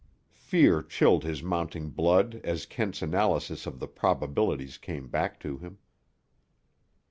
Fear chilled his mounting blood as Kent's analysis of the probabilities came back to him.